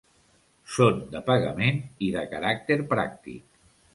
Són de pagament i de caràcter pràctic.